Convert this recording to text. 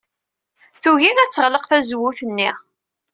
Tugi ad teɣleq tzewwut-nni.